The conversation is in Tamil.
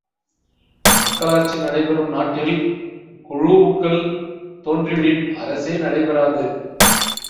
மக்களாட்சி நடைபெறும் நாட்டில் குழூஉக்கள் தோன்றிவிடின் அரசே நடைபெறாது.